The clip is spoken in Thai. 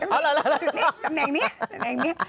เอาแล้วอยู่สินี้ตำแหน่งนี้ตำแหน่งนี้